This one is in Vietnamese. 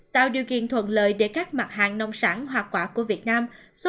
tạo điều kiện thuận lợi để các mặt hàng nông sản hoa quả của việt nam xuất